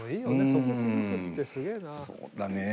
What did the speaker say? そこ気付くってすげぇな。